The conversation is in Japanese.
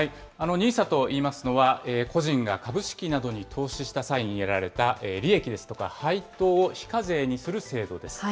ＮＩＳＡといいますのは、個人や株式などに投資した際に得られた利益ですとか配当を非課税にする制度です。